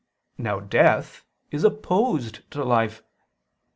Now death is opposed to life.